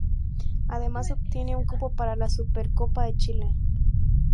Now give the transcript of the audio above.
Además, obtiene un cupo para la Supercopa de Chile.